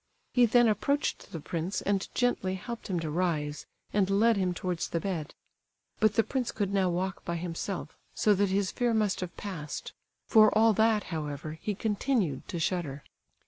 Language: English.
He then approached the prince, and gently helped him to rise, and led him towards the bed. But the prince could now walk by himself, so that his fear must have passed; for all that, however, he continued to shudder.